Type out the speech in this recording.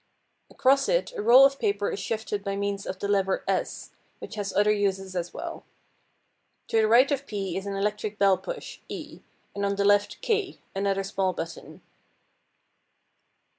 Across it a roll of paper is shifted by means of the lever S, which has other uses as well. To the right of P is an electric bell push, E, and on the left K, another small button.